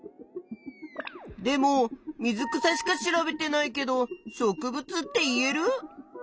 でも水草しか調べてないけど植物って言える？